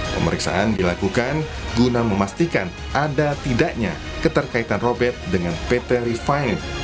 pemeriksaan dilakukan guna memastikan ada tidaknya keterkaitan robert dengan pt lifin